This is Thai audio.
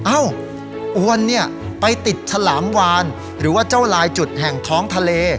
อ้าวอวนเนี่ยไปติดฉลามวานหรือว่าเจ้าลายจุดแห่งท้องทะเล